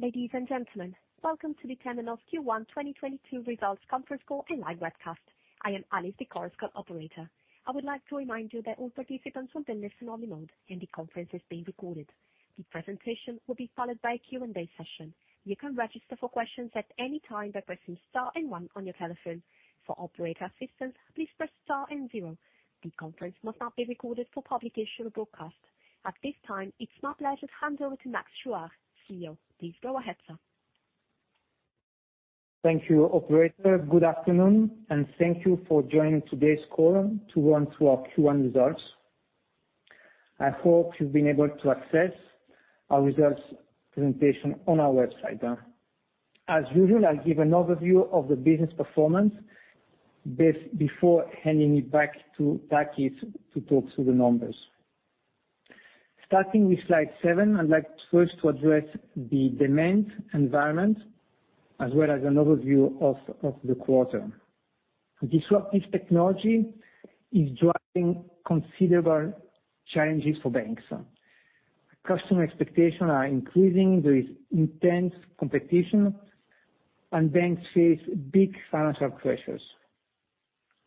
Ladies and gentlemen, welcome to the Temenos Q1 2022 Results Conference Call and Live Webcast. I am Alice, the conference call operator. I would like to remind you that all participants will be in listen-only mode, and the conference is being recorded. The presentation will be followed by a Q&A session. You can register for questions at any time by pressing star and one on your telephone. For operator assistance, please press star and zero. The conference must not be recorded for publication or broadcast. At this time, it's my pleasure to hand over to Max Chuard, CEO. Please go ahead, sir. Thank you, operator. Good afternoon, and thank you for joining today's call to run through our Q1 results. I hope you've been able to access our results presentation on our website. As usual, I'll give an overview of the business performance before handing it back to Takis to talk through the numbers. Starting with slide seven, I'd like first to address the demand environment as well as an overview of the quarter. Disruptive technology is driving considerable challenges for banks. Customer expectations are increasing, there is intense competition, and banks face big financial pressures.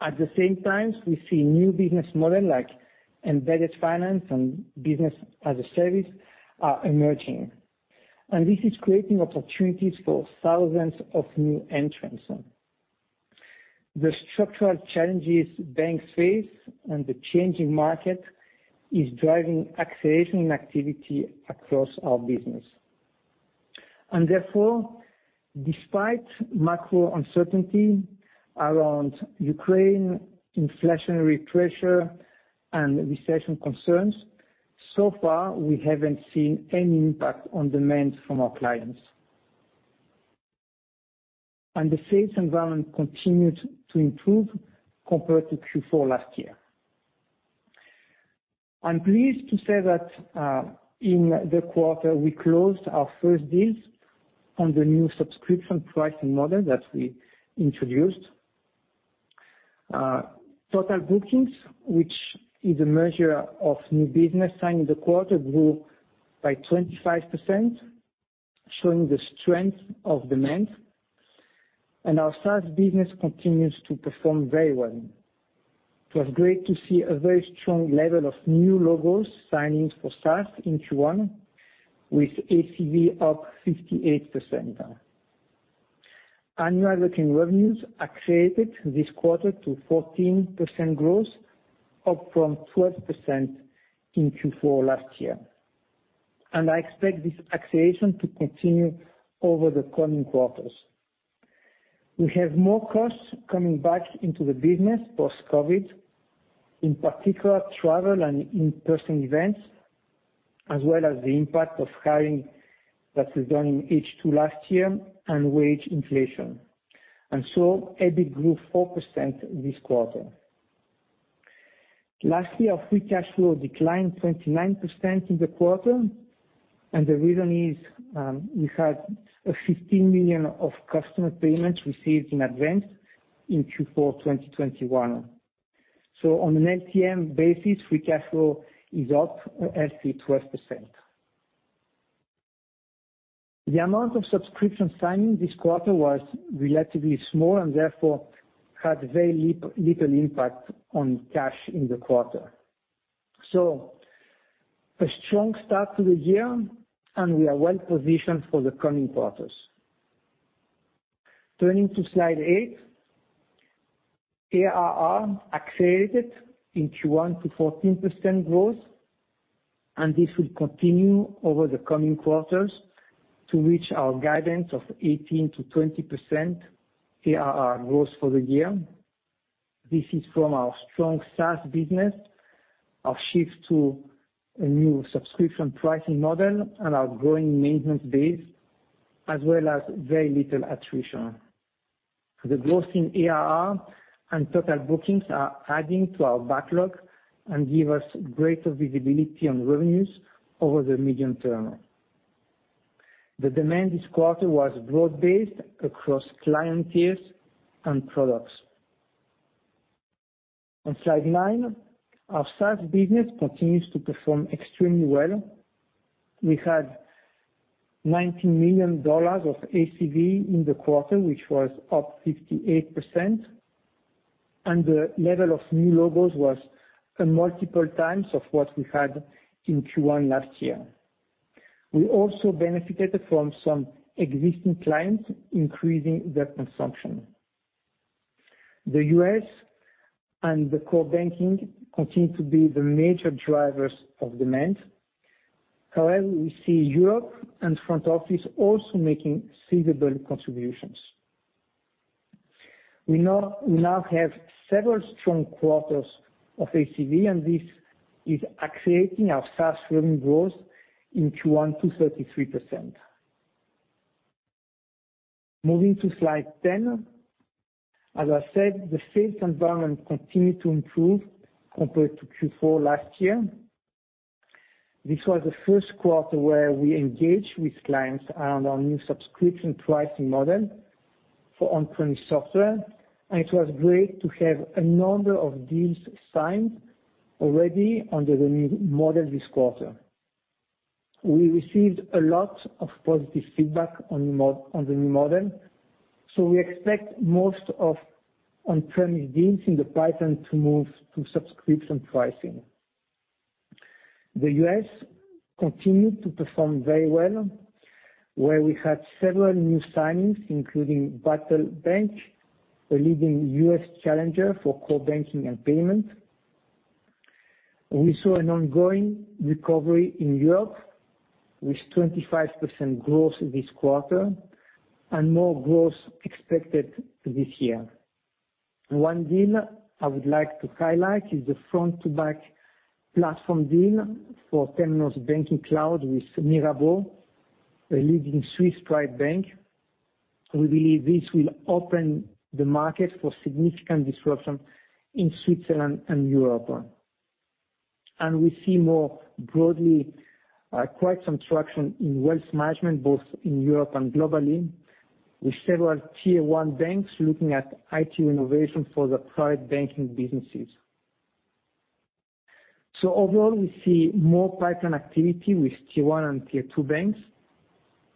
At the same time, we see new business models like embedded finance and business-as-a-service are emerging, and this is creating opportunities for thousands of new entrants. The structural challenges banks face and the changing market is driving acceleration in activity across our business. Therefore, despite macro uncertainty around Ukraine, inflationary pressure, and recession concerns, so far, we haven't seen any impact on demand from our clients. The sales environment continued to improve compared to Q4 last year. I'm pleased to say that in the quarter, we closed our first deals on the new subscription pricing model that we introduced. Total bookings, which is a measure of new business signed in the quarter, grew by 25%, showing the strength of demand, and our SaaS business continues to perform very well. It was great to see a very strong level of new logos signings for SaaS in Q1 with ACV up 58%. Annual recurring revenues accelerated this quarter to 14% growth, up from 12% in Q4 last year. I expect this acceleration to continue over the coming quarters. We have more costs coming back into the business post-COVID, in particular, travel and in-person events, as well as the impact of hiring that was done in H2 last year and wage inflation. EBIT grew 4% this quarter. Lastly, our free cash flow declined 29% in the quarter, and the reason is, we had $15 million of customer payments received in advance in Q4 2021. On an LTM basis, free cash flow is up 12%. The amount of subscription signing this quarter was relatively small and therefore had very little impact on cash in the quarter. A strong start to the year, and we are well-positioned for the coming quarters. Turning to slide eight, ARR accelerated in Q1 to 14% growth, and this will continue over the coming quarters to reach our guidance of 18%-20% ARR growth for the year. This is from our strong SaaS business, our shift to a new subscription pricing model, and our growing maintenance base, as well as very little attrition. The growth in ARR and total bookings are adding to our backlog and give us greater visibility on revenues over the medium term. The demand this quarter was broad-based across client tiers and products. On slide 9, our SaaS business continues to perform extremely well. We had $90 million of ACV in the quarter, which was up 58%, and the level of new logos was a multiple times of what we had in Q1 last year. We also benefited from some existing clients increasing their consumption. The U.S. and the core banking continue to be the major drivers of demand. However, we see Europe and front office also making visible contributions. We now have several strong quarters of ACV, and this is accelerating our SaaS revenue growth in Q1 to 33%. Moving to slide 10. As I said, the sales environment continued to improve compared to Q4 last year. This was the Q1 where we engaged with clients around our new subscription pricing model. For on-premise software, and it was great to have a number of deals signed already under the new model this quarter. We received a lot of positive feedback on the new model, so we expect most of on-premise deals in the pipeline to move to subscription pricing. The U.S. continued to perform very well, where we had several new signings, including Varo Bank, a leading U.S. challenger for core banking and payment. We saw an ongoing recovery in Europe with 25% growth this quarter and more growth expected this year. One deal I would like to highlight is the front to back platform deal for Temenos Banking Cloud with Mirabaud, a leading Swiss private bank. We believe this will open the market for significant disruption in Switzerland and Europe. We see more broadly, quite some traction in wealth management, both in Europe and globally, with several tier one banks looking at IT innovation for the private banking businesses. Overall, we see more pipeline activity with tier one and tier two banks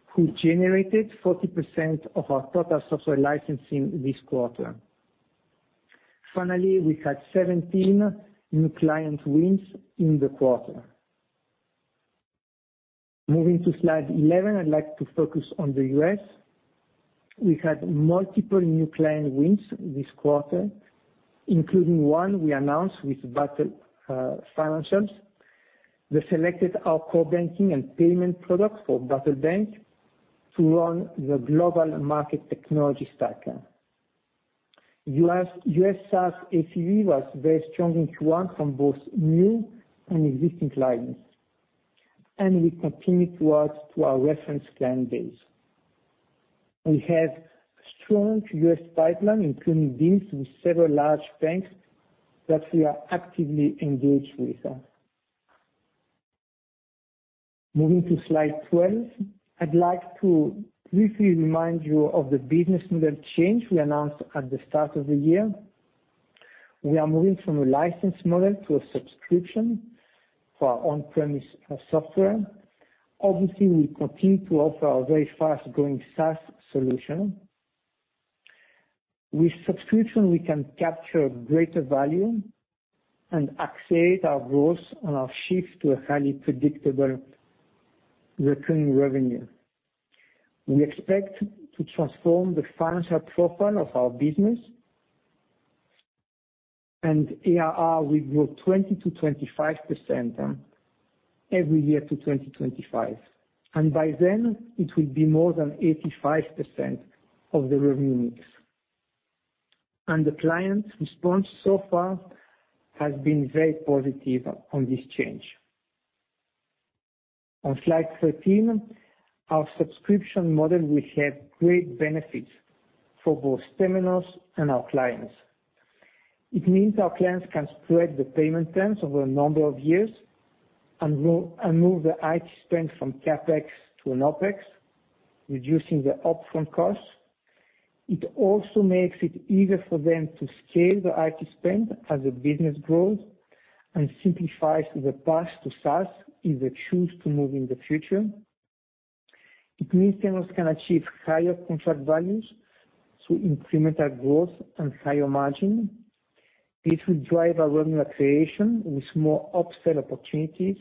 who generated 40% of our total software licensing this quarter. Finally, we had 17 new client wins in the quarter. Moving to slide 11, I'd like to focus on the U.S. We had multiple new client wins this quarter, including one we announced with Varo Financial. They selected our core banking and payment products for Varo Bank to run the global market technology stack. U.S. SaaS ACV was very strong in Q1 from both new and existing clients, and we continue to add to our reference client base. We have a strong U.S. pipeline, including deals with several large banks that we are actively engaged with. Moving to slide 12. I'd like to briefly remind you of the business model change we announced at the start of the year. We are moving from a license model to a subscription for our on-premise software. Obviously, we continue to offer our very fast-growing SaaS solution. With subscription, we can capture greater value and accelerate our growth and our shift to a highly predictable recurring revenue. We expect to transform the financial profile of our business. ARR will grow 20%-25% every year to 2025, and by then it will be more than 85% of the revenue mix. The client response so far has been very positive on this change. On slide 13, our subscription model will have great benefits for both Temenos and our clients. It means our clients can spread the payment terms over a number of years and move their IT spend from CapEx to an OpEx, reducing the upfront costs. It also makes it easier for them to scale their IT spend as the business grows and simplifies the path to SaaS if they choose to move in the future. It means Temenos can achieve higher contract values through incremental growth and higher margin. It will drive our revenue creation with more upsell opportunities,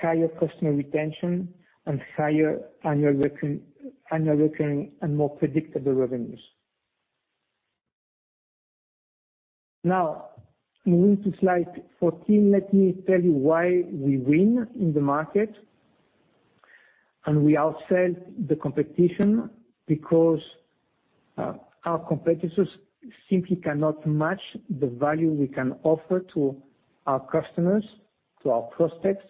higher customer retention, and higher annual recurring and more predictable revenues. Now, moving to slide 14, let me tell you why we win in the market. We outsell the competition because our competitors simply cannot match the value we can offer to our customers, to our prospects.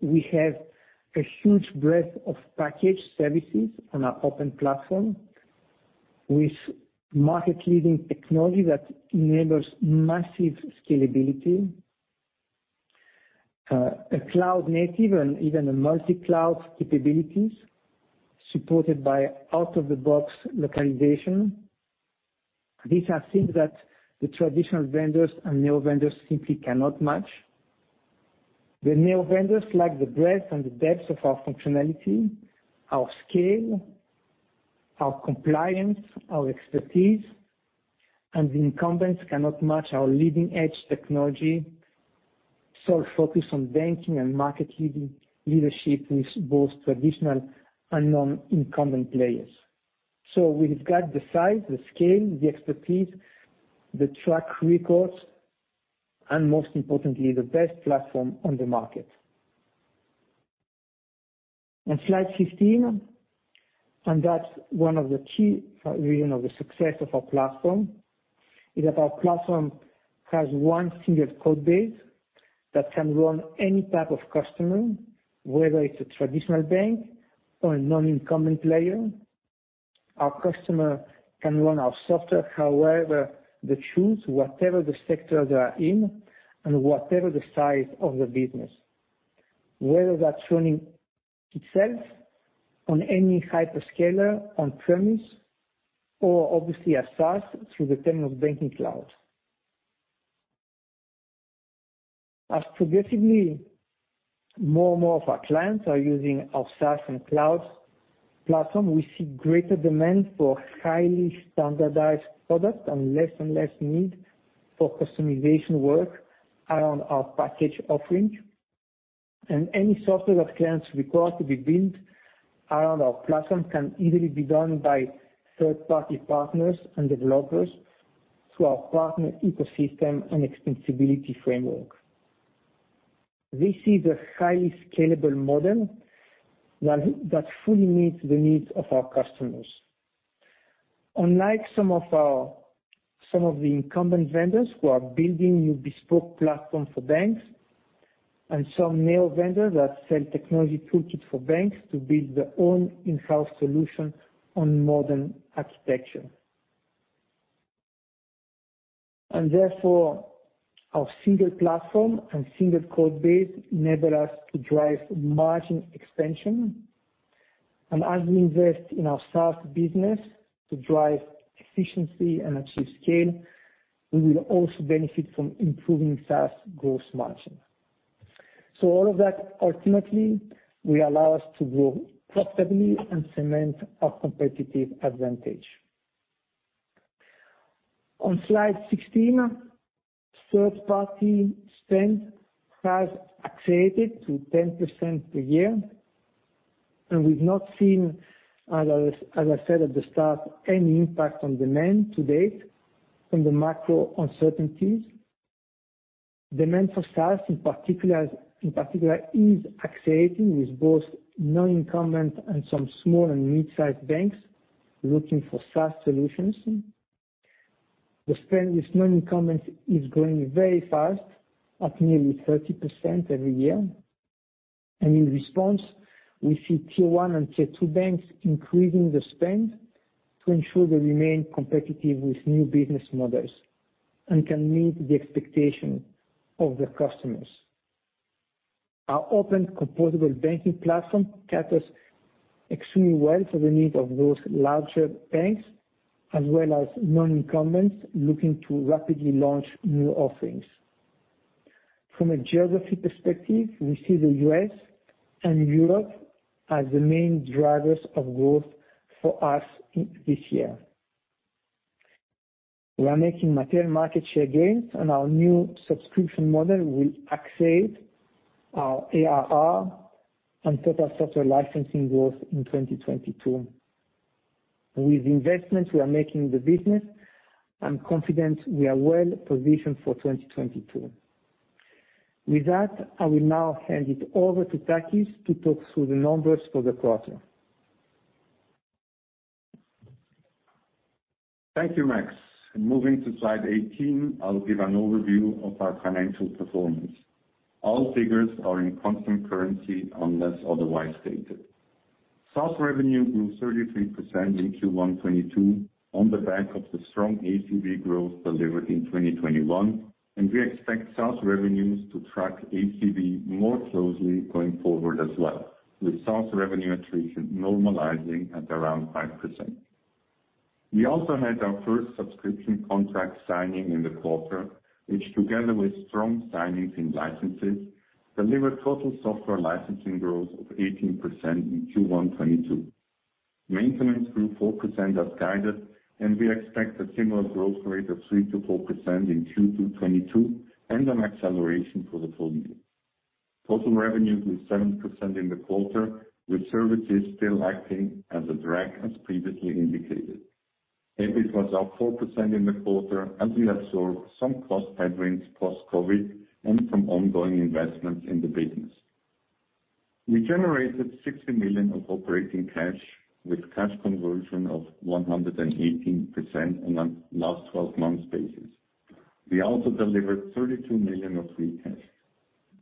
We have a huge breadth of packaged services on our open platform with market-leading technology that enables massive scalability. A cloud native and even a multi-cloud capabilities supported by out-of-the-box localization. These are things that the traditional vendors and neo vendors simply cannot match. The neo vendors lack the breadth and the depth of our functionality, our scale, our compliance, our expertise, and the incumbents cannot match our leading edge technology. Focus on banking and market-leading leadership with both traditional and non-incumbent players. We've got the size, the scale, the expertise, the track record, and most importantly, the best platform on the market. On slide 15, and that's one of the key reason of the success of our platform, is that our platform has one single code base that can run any type of customer, whether it's a traditional bank or a non-incumbent player. Our customer can run our software however they choose, whatever the sector they are in, and whatever the size of the business. Whether that's running itself on any hyperscaler on-premises or obviously as SaaS through the Temenos Banking Cloud. As progressively more and more of our clients are using our SaaS and cloud platform, we see greater demand for highly standardized products and less and less need for customization work around our package offering. Any software that clients require to be built around our platform can easily be done by third-party partners and developers through our partner ecosystem and extensibility framework. This is a highly scalable model that fully meets the needs of our customers. Unlike some of the incumbent vendors who are building new bespoke platforms for banks, and some neo-vendors that sell technology toolkit for banks to build their own in-house solution on modern architecture. Therefore, our single platform and single code base enable us to drive margin expansion. As we invest in our SaaS business to drive efficiency and achieve scale, we will also benefit from improving SaaS gross margin. All of that ultimately will allow us to grow profitably and cement our competitive advantage. On slide 16, third-party spend has accelerated to 10% per year, and we've not seen, as I said at the start, any impact on demand to date from the macro uncertainties. Demand for SaaS in particular is accelerating, with both non-incumbent and some small and mid-sized banks looking for SaaS solutions. The spend with non-incumbents is growing very fast, at nearly 30% every year. In response, we see tier one and tier two banks increasing the spend to ensure they remain competitive with new business models and can meet the expectations of their customers. Our open composable banking platform caters extremely well to the needs of those larger banks, as well as non-incumbents looking to rapidly launch new offerings. From a geography perspective, we see the U.S. and Europe as the main drivers of growth for us this year. We are making material market share gains, and our new subscription model will accelerate our ARR and total software licensing growth in 2022. With the investments we are making in the business, I'm confident we are well positioned for 2022. With that, I will now hand it over to Takis to talk through the numbers for the quarter. Thank you, Max. Moving to slide 18, I'll give an overview of our financial performance. All figures are in constant currency, unless otherwise stated. SaaS revenue grew 33% in Q1 2022 on the back of the strong ACV growth delivered in 2021, and we expect SaaS revenues to track ACV more closely going forward as well, with SaaS revenue attrition normalizing at around 5%. We also had our first subscription contract signing in the quarter, which together with strong signings in licenses, delivered total software licensing growth of 18% in Q1 2022. Maintenance grew 4% as guided, and we expect a similar growth rate of 3%-4% in Q2 2022 and an acceleration for the full year. Total revenue grew 7% in the quarter, with services still acting as a drag, as previously indicated. EBIT was up 4% in the quarter as we absorbed some cost headwinds post-COVID and from ongoing investments in the business. We generated $60 million of operating cash, with cash conversion of 118% on a last twelve months basis. We also delivered $32 million of free cash.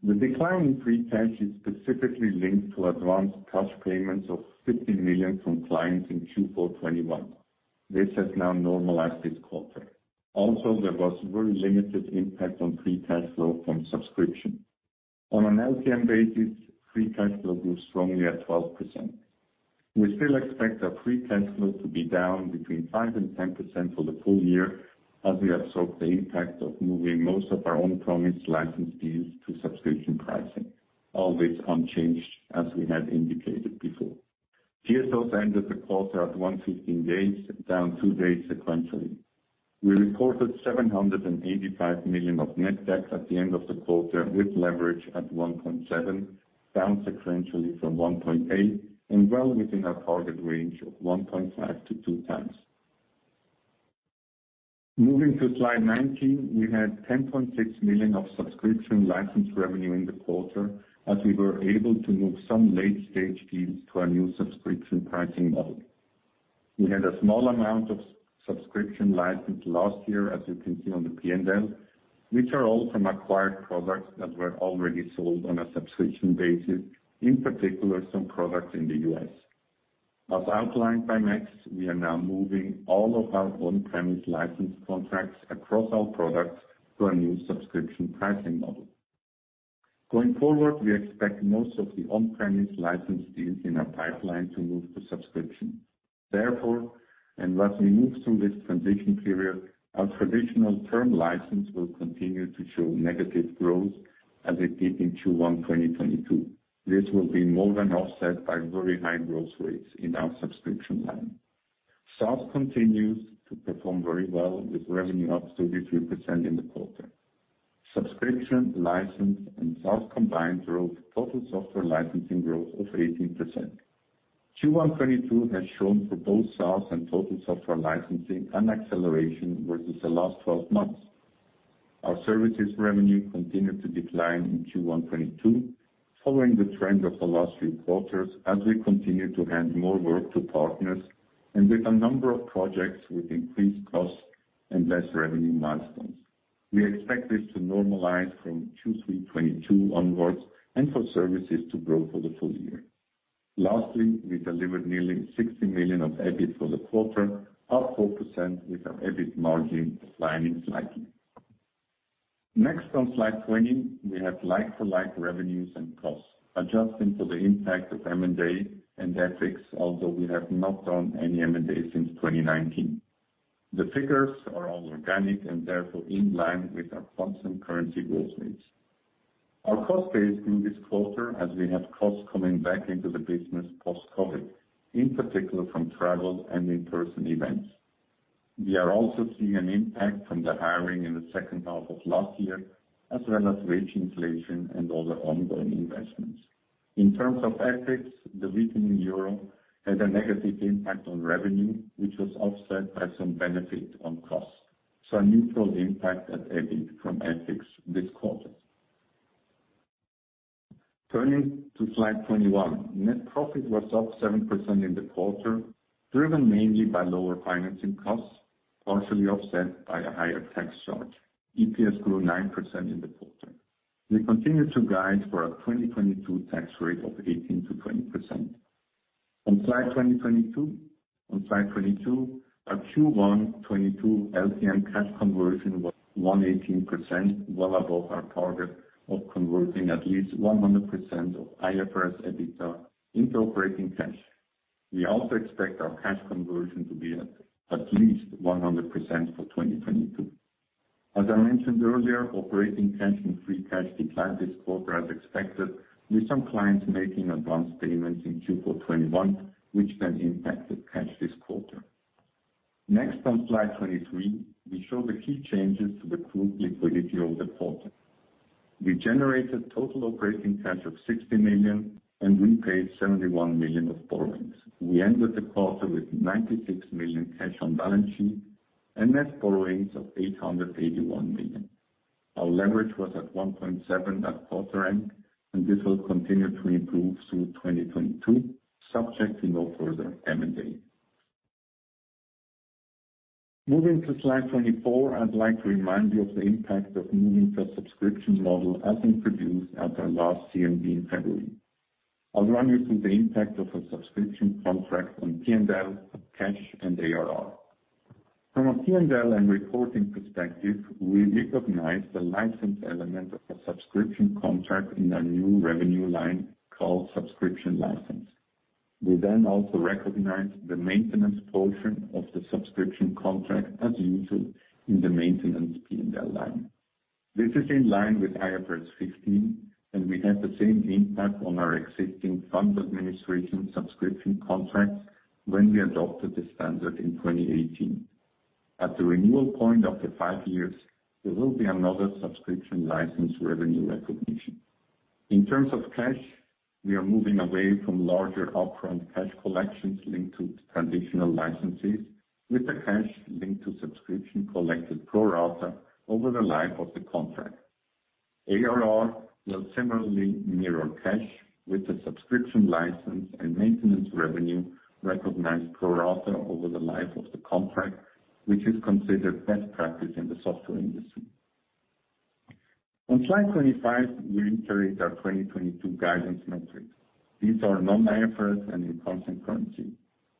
The decline in free cash is specifically linked to advanced cash payments of $50 million from clients in Q4 2021. This has now normalized this quarter. Also, there was very limited impact on free cash flow from subscription. On an LTM basis, free cash flow grew strongly at 12%. We still expect our free cash flow to be down between 5% and 10% for the full year as we absorb the impact of moving most of our on-premise license deals to subscription pricing. All this unchanged as we had indicated before. DSOs ended the quarter at 115 days, down two days sequentially. We reported $785 million of net debt at the end of the quarter, with leverage at 1.7, down sequentially from 1.8 and well within our target range of 1.5 to two times. Moving to slide 19, we had $10.6 million of subscription license revenue in the quarter as we were able to move some late-stage deals to our new subscription pricing model. We had a small amount of subscription license last year, as you can see on the P&L, which are all from acquired products that were already sold on a subscription basis, in particular some products in the U.S. As outlined by Max, we are now moving all of our on-premise license contracts across our products to a new subscription pricing model. Going forward, we expect most of the on-premise license deals in our pipeline to move to subscription. Therefore, and as we move through this transition period, our traditional term license will continue to show negative growth as it did in Q1 2022. This will be more than offset by very high growth rates in our subscription line. SaaS continues to perform very well, with revenue up 33% in the quarter. Subscription license and SaaS combined drove total software licensing growth of 18%. Q1 2022 has shown for both SaaS and total software licensing an acceleration versus the last 12 months. Our services revenue continued to decline in Q1 2022 following the trend of the last few quarters as we continue to hand more work to partners and with a number of projects with increased costs and less revenue milestones. We expect this to normalize from Q3 2022 onwards and for services to grow for the full year. Lastly, we delivered nearly $60 million of EBIT for the quarter, up 4% with our EBIT margin declining slightly. Next on slide 20, we have like for like revenues and costs, adjusting for the impact of M&A and FX, although we have not done any M&A since 2019. The figures are all organic and therefore in line with our constant currency growth rates. Our cost base grew this quarter as we have costs coming back into the business post-COVID, in particular from travel and in-person events. We are also seeing an impact from the hiring in the second half of last year, as well as wage inflation and other ongoing investments. In terms of FX, the weakening euro had a negative impact on revenue, which was offset by some benefit on costs. A neutral impact at EBIT from FX this quarter. Turning to slide 21, net profit was up 7% in the quarter, driven mainly by lower financing costs, partially offset by a higher tax charge. EPS grew 9% in the quarter. We continue to guide for a 2022 tax rate of 18%-20%. On slide 22, our Q1 2022 LTM cash conversion was 118%, well above our target of converting at least 100% of IFRS EBITDA into operating cash. We also expect our cash conversion to be at least 100% for 2022. As I mentioned earlier, operating cash and free cash declined this quarter as expected, with some clients making advance payments in Q4 2021, which then impacted cash this quarter. Next on slide 23, we show the key changes to the group liquidity over the quarter. We generated total operating cash of $60 million and repaid $71 million of borrowings. We ended the quarter with $96 million cash on balance sheet and net borrowings of $881 million. Our leverage was at 1.7 that quarter end, and this will continue to improve through 2022, subject to no further M&A. Moving to slide 24, I'd like to remind you of the impact of moving to a subscription model as introduced at our last CMD in February. I'll run you through the impact of a subscription contract on P&L, cash and ARR. From a P&L and reporting perspective, we recognize the license element of a subscription contract in our new revenue line called subscription license. We then also recognize the maintenance portion of the subscription contract as usual in the maintenance P&L line. This is in line with IFRS 15, and we had the same impact on our existing fund administration subscription contracts when we adopted the standard in 2018. At the renewal point after five years, there will be another subscription license revenue recognition. In terms of cash, we are moving away from larger upfront cash collections linked to traditional licenses, with the cash linked to subscription collected pro rata over the life of the contract. ARR will similarly mirror cash with the subscription license and maintenance revenue recognized pro rata over the life of the contract, which is considered best practice in the software industry. On slide 25, we reiterate our 2022 guidance metrics. These are non-IFRS and in constant currency.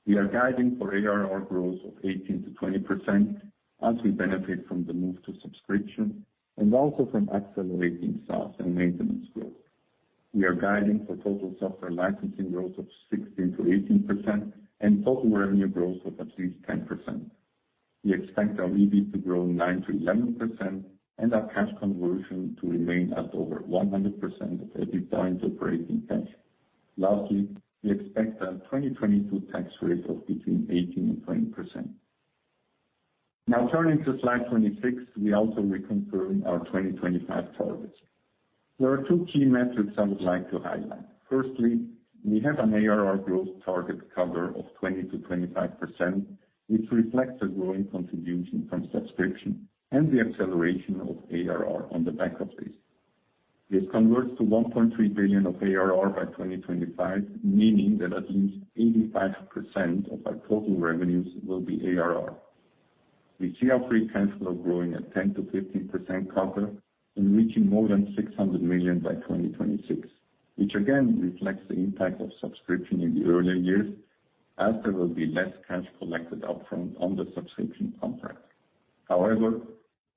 We are guiding for ARR growth of 18%-20% as we benefit from the move to subscription and also from accelerating SaaS and maintenance growth. We are guiding for total software licensing growth of 16%-18% and total revenue growth of at least 10%. We expect our EBIT to grow 9%-11% and our cash conversion to remain at over 100% of EBITDA into operating cash. Lastly, we expect a 2022 tax rate of between 18%-20%. Now turning to slide 26, we also reconfirm our 2025 targets. There are two key metrics I would like to highlight. Firstly, we have an ARR growth target of 20%-25%, which reflects a growing contribution from subscription and the acceleration of ARR on the back of this. This converts to $1.3 billion of ARR by 2025, meaning that at least 85% of our total revenues will be ARR. We see our free cash flow growing at 10%-15% and reaching more than $600 million by 2026, which again reflects the impact of subscription in the earlier years as there will be less cash collected upfront on the subscription contract. However,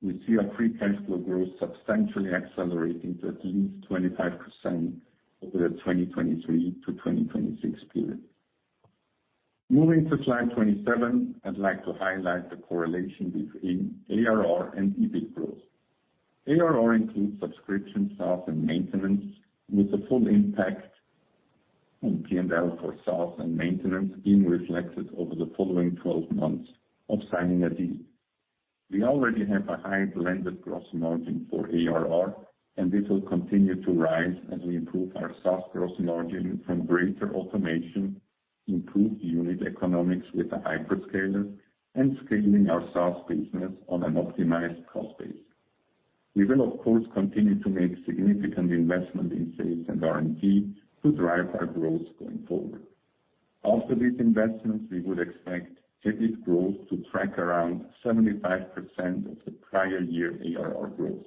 we see our free cash flow growth substantially accelerating to at least 25% over the 2023-2026 period. Moving to slide 27, I'd like to highlight the correlation between ARR and EBIT growth. ARR includes subscription, SaaS, and maintenance, with the full impact on P&L for SaaS and maintenance being reflected over the following 12 months of signing a deal. We already have a high blended gross margin for ARR, and this will continue to rise as we improve our SaaS gross margin from greater automation, improved unit economics with the hyperscaler, and scaling our SaaS business on an optimized cost base. We will, of course, continue to make significant investment in sales and R&D to drive our growth going forward. After these investments, we would expect EBIT growth to track around 75% of the prior year ARR growth.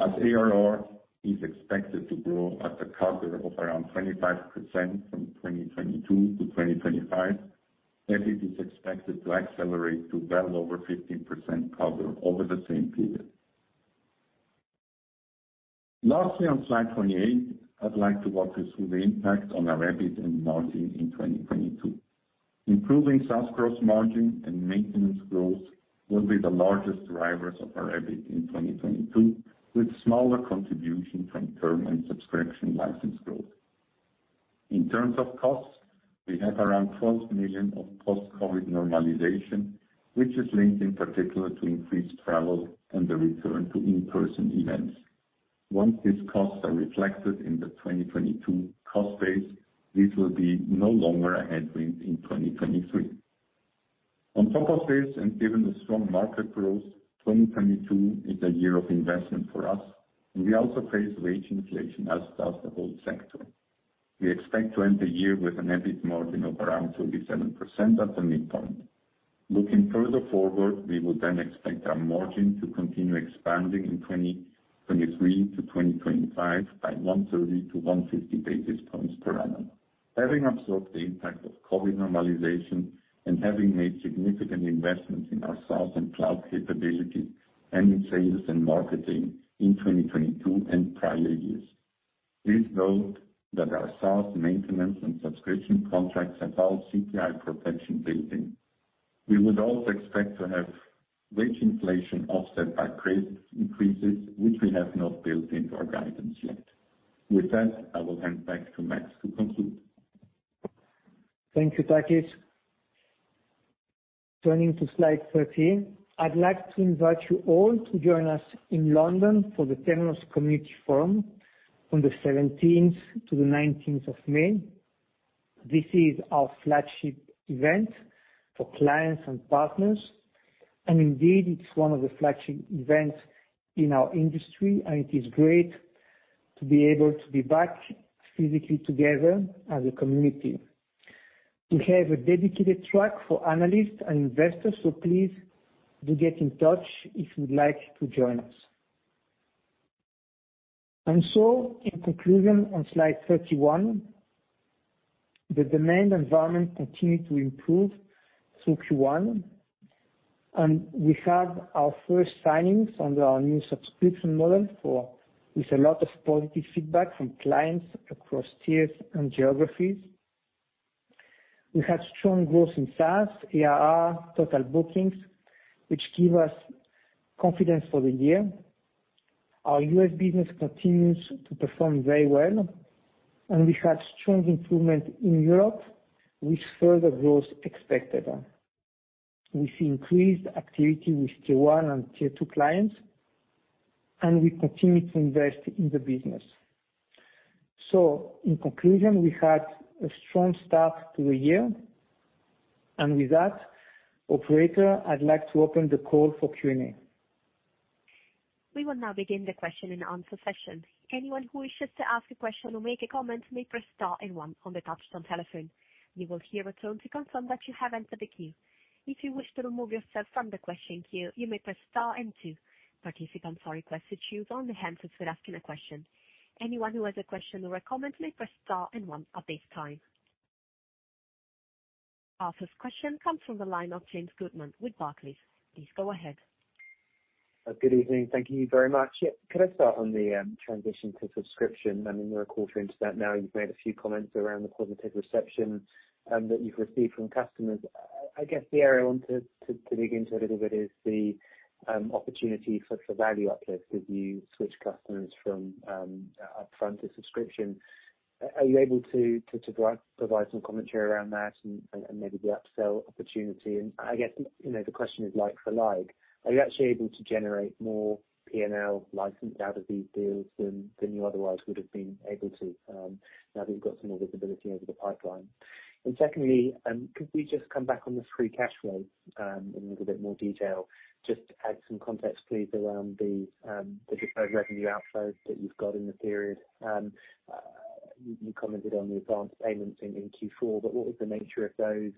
As ARR is expected to grow at a CAGR of around 25% from 2022 to 2025, EBIT is expected to accelerate to well over 15% CAGR over the same period. Lastly, on slide 28, I'd like to walk you through the impact on our EBIT and margin in 2022. Improving SaaS gross margin and maintenance growth will be the largest drivers of our EBIT in 2022, with smaller contribution from term and subscription license growth. In terms of costs, we have around $12 million of post-COVID normalization, which is linked in particular to increased travel and the return to in-person events. Once these costs are reflected in the 2022 cost base, this will be no longer a headwind in 2023. On top of this, and given the strong market growth, 2022 is a year of investment for us, and we also face wage inflation, as does the whole sector. We expect to end the year with an EBIT margin of around 37% at the midpoint. Looking further forward, we would then expect our margin to continue expanding in 2023-2025 by 130-150 basis points per annum, having absorbed the impact of COVID normalization and having made significant investments in our SaaS and cloud capability and in sales and marketing in 2022 and prior years. Please note that our SaaS maintenance and subscription contracts have our CPI protection built in. We would also expect to have wage inflation offset by price increases, which we have not built into our guidance yet. With that, I will hand back to Max to conclude. Thank you, Takis. Turning to slide 13, I'd like to invite you all to join us in London for the Temenos Community Forum on the 17th to the 19th of May. This is our flagship event for clients and partners, and indeed it's one of the flagship events in our industry, and it is great to be able to be back physically together as a community. We have a dedicated track for analysts and investors, so please do get in touch if you'd like to join us. In conclusion, on slide 31, the demand environment continued to improve through Q1, and we had our first signings under our new subscription model with a lot of positive feedback from clients across tiers and geographies. We had strong growth in SaaS, ARR, total bookings, which give us confidence for the year. Our U.S. business continues to perform very well, and we had strong improvement in Europe with further growth expected. We see increased activity with tier one and tier two clients, and we continue to invest in the business. In conclusion, we had a strong start to the year. With that, operator, I'd like to open the call for Q&A. We will now begin the question and answer session. Anyone who wishes to ask a question or make a comment may press star and one on the touchtone telephone. You will hear a tone to confirm that you have entered the queue. If you wish to remove yourself from the question queue, you may press star and two. Participants are requested to unmute only once asking a question. Anyone who has a question or a comment may press star and one at this time. Our first question comes from the line of James Goodman with Barclays. Please go ahead. Good evening. Thank you very much. Yeah, could I start on the transition to subscription? I mean, we're a quarter into that now, you've made a few comments around the positive reception that you've received from customers. I guess the area I wanted to dig into a little bit is the opportunity for value uplift as you switch customers from upfront to subscription. Are you able to provide some commentary around that and maybe the upsell opportunity? I guess, you know, the question is like for like, are you actually able to generate more P&L license out of these deals than you otherwise would have been able to now that you've got some more visibility over the pipeline? Secondly, could we just come back on the free cash flow in a little bit more detail? Just to add some context, please, around the deferred revenue outflow that you've got in the period. You commented on the advanced payments in Q4, but what was the nature of those?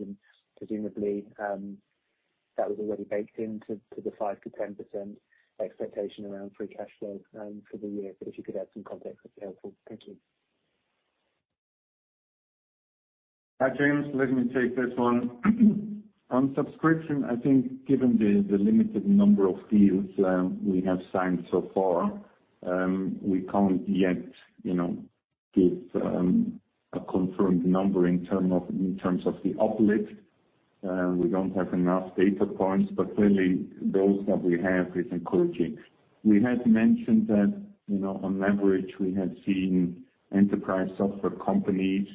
Presumably, that was already baked into the 5%-10% expectation around free cash flow for the year. If you could add some context, that'd be helpful. Thank you. Hi, James. Let me take this one. On subscription, I think given the limited number of deals we have signed so far, we can't yet, you know, give a confirmed number in terms of the uplift. We don't have enough data points, but clearly those that we have is encouraging. We had mentioned that, you know, on average, we have seen enterprise software companies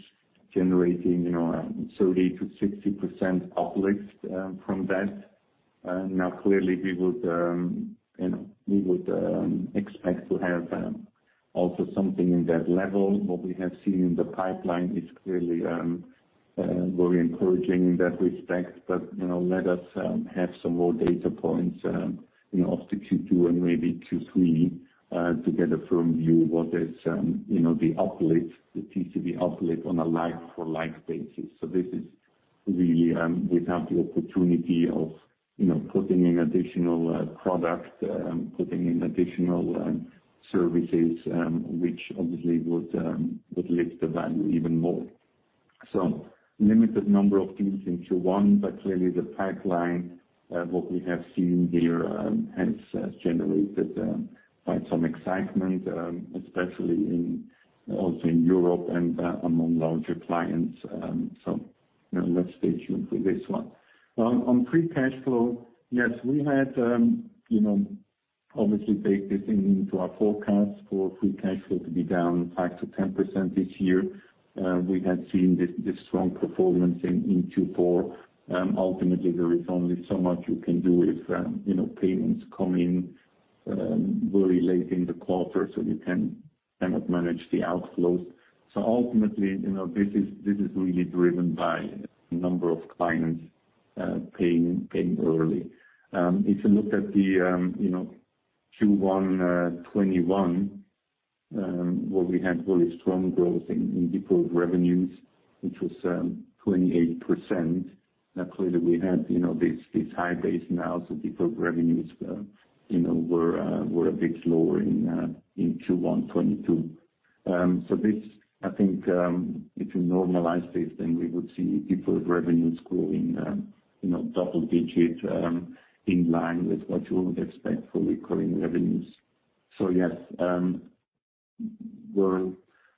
generating, you know, 30%-60% uplift from that. Now, clearly we would expect to have also something in that level. What we have seen in the pipeline is clearly very encouraging in that respect. You know, let us have some more data points, you know, after Q2 and maybe Q3, to get a firm view what is, you know, the uplift, the TCV uplift on a like-for-like basis. This is really, without the opportunity of, you know, putting in additional services, which obviously would lift the value even more. Limited number of deals in Q1, but clearly the pipeline what we have seen here has generated quite some excitement, especially in also in Europe and among larger clients. You know, let's stay tuned for this one. On free cash flow, yes, we had you know, obviously baked this into our forecast for free cash flow to be down 5%-10% this year. We had seen this strong performance in Q4. Ultimately there is only so much you can do if you know, payments come in very late in the quarter, so you can kind of manage the outflows. Ultimately, you know, this is really driven by number of clients paying early. If you look at Q1 2021, where we had really strong growth in deferred revenues, which was 28%. Now, clearly we had you know, this high base now, so deferred revenues you know, were a bit lower in Q1 2022. This I think, if you normalize this, then we would see deferred revenues growing you know, double digit in line with what you would expect for recurring revenues. Yes, there were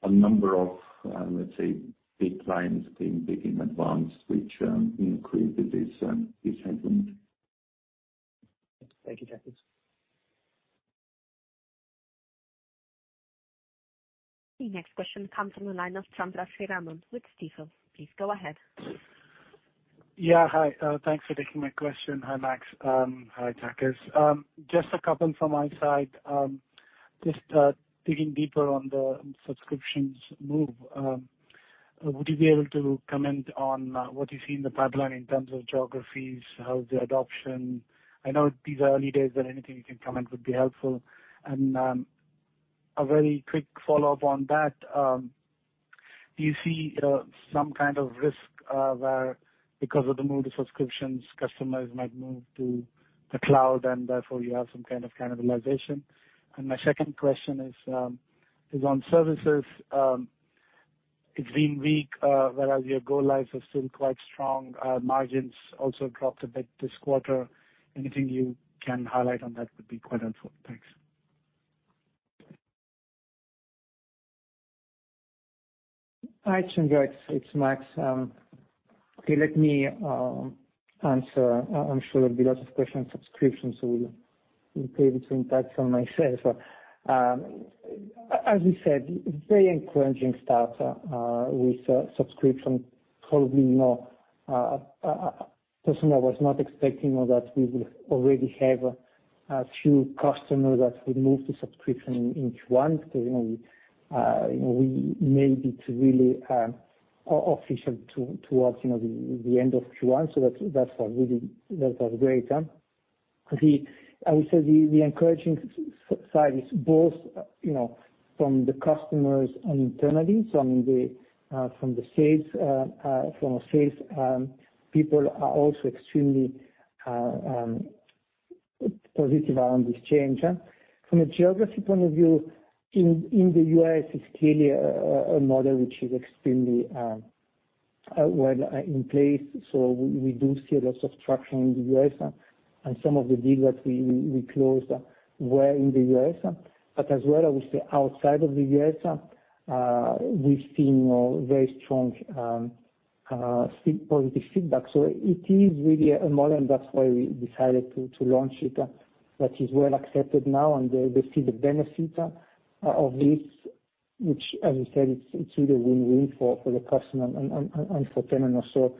a number of, let's say, big clients paying in advance, which increased this headroom. Thank you, Takis. The next question comes from the line of Chandramouli Sriraman with Stifel. Please go ahead. Yeah. Hi. Thanks for taking my question. Hi, Max. Hi, Takis. Just a couple from my side. Just digging deeper on the subscriptions move, would you be able to comment on what you see in the pipeline in terms of geographies? How is the adoption? I know these are early days, but anything you can comment would be helpful. A very quick follow-up on that. Do you see some kind of risk where because of the move to subscriptions, customers might move to the cloud and therefore you have some kind of cannibalization? My second question is on services. It's been weak, whereas your go lives are still quite strong. Margins also dropped a bit this quarter. Anything you can highlight on that would be quite helpful. Thanks. Hi, Chandra. It's Max. Okay, let me answer. I'm sure there'll be lots of questions on subscriptions, so I'll be able to elaborate on this myself. As you said, very encouraging start with subscription. Probably more personally, I was not expecting that we would already have a few customers that would move to subscription in Q1 because you know, we made it really official towards the end of Q1. That's really great. I would say the encouraging side is both you know, from the customers and internally. So the sales people are also extremely positive around this change. From a geography point of view, in the U.S., it's clearly a model which is extremely well in place. We do see a lot of traction in the U.S., and some of the deals that we closed were in the U.S. As well, I would say outside of the U.S., we've seen more very strong positive feedback. It is really a model, and that's why we decided to launch it. That is well accepted now, and they see the benefit of this, which as you said, it's really win-win for the customer and for Temenos also.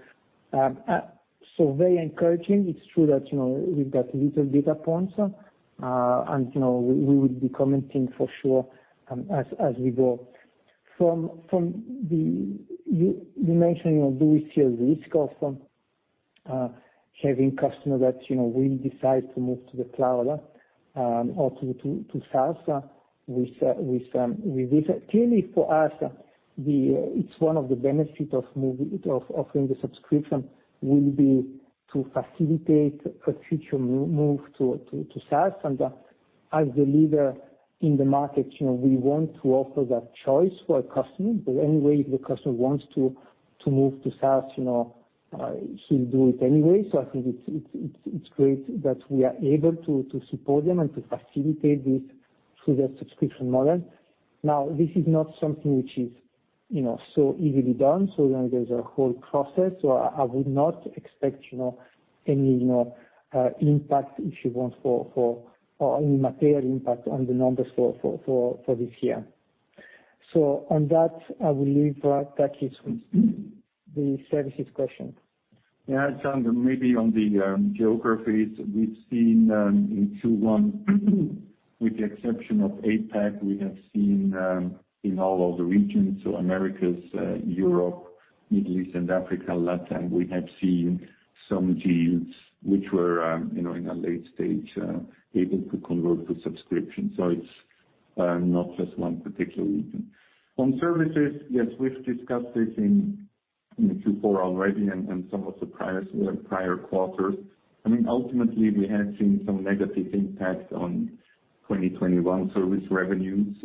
Very encouraging. It's true that, you know, we've got little data points. You know, we will be commenting for sure, as we go. You mentioned, you know, do we see a risk of some- Having a customer that, you know, will decide to move to the cloud or to SaaS with this. Clearly for us, it's one of the benefit of offering the subscription will be to facilitate a future move to SaaS. As the leader in the market, you know, we want to offer that choice for a customer. Anyway, if the customer wants to move to SaaS, you know, he'll do it anyway. I think it's great that we are able to support them and to facilitate this through the subscription model. Now, this is not something which is, you know, so easily done, so then there's a whole process. I would not expect, you know, any, you know, impact issue, if you want, for this year. On that, I will leave Takis with the services question. Yeah, Chandra, maybe on the geographies we've seen in Q1 with the exception of APAC, we have seen in all of the regions, so Americas, Europe, Middle East and Africa, Latin, we have seen some deals which were, you know, in a late stage able to convert to subscription. So it's not just one particular region. On services, yes, we've discussed this in the Q4 already and some of the prior quarters. I mean, ultimately, we have seen some negative impact on 2021 service revenues.